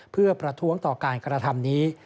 เพื่อประท้วงต่อการการการธรรมนี้